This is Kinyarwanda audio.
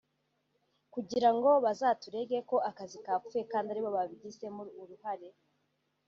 kugira ngo bazaturege ko akazi kapfuye kandi ari bo babigizemo uruhare